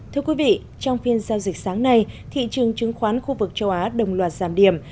thưa quý vị trong phiên giao dịch sáng nay thị trường chứng khoán khu vực châu á đồng loạt giảm điểm